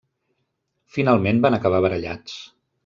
Finalment van acabar barallats.